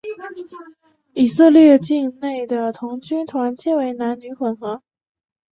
以色列境内的童军团皆为男女混合。